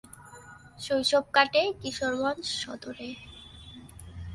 শৈশব কাটে কিশোরগঞ্জ সদরে।